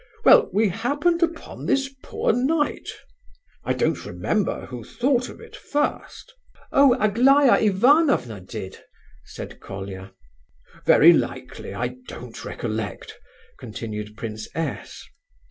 Well, we happened upon this 'poor knight.' I don't remember who thought of it first—" "Oh! Aglaya Ivanovna did," said Colia. "Very likely—I don't recollect," continued Prince S.